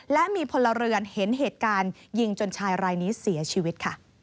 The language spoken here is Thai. และมีพลเรือนเห็นเหตุการณ์ยิงจนชายรายนี้เสียชีวิตค่ะ